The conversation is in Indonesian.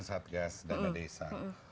satgas dana desa